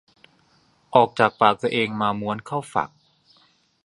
ออกจากปากตัวเองมาม้วนเข้าฝัก